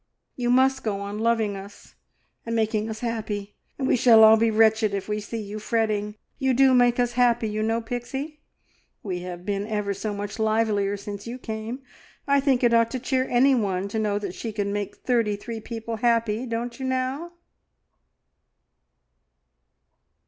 You must go on loving us, and making us happy, and we shall all be wretched if we see you fretting. You do make us happy, you know, Pixie! We have been ever so much livelier since you came. I think it ought to cheer anyone to know that she can make thirty three people happy, don't you, now?"